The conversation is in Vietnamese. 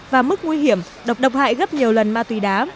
và mức nguy hiểm độc hại gấp nhiều lần ma túy đá